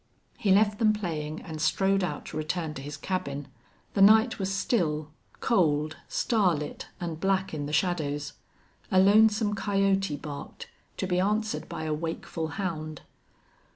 He left them playing and strode out to return to his cabin. The night was still, cold, starlit, and black in the shadows. A lonesome coyote barked, to be answered by a wakeful hound.